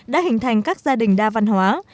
đã hình thành các gia đình đa văn hóa